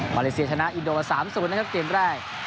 เลเซียชนะอินโด๓๐นะครับเกมแรก